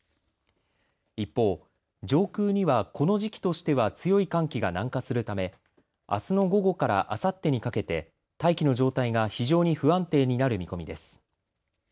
一方、上空にはこの時期としては強い寒気が南下するためあすの午後からあさってにかけて大気の状態が非常に不安定になる見込みです。